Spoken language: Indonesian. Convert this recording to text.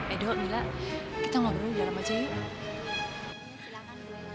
edo mila kita ngobrol di dalam aja yuk